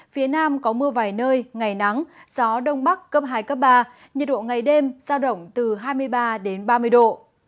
phía nam có mưa vài nơi ngày nắng gió đông bắc cấp hai ba nhiệt độ ngày đêm ra động từ hai mươi ba ba mươi độ